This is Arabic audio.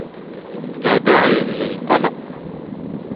لا داعي للقلق.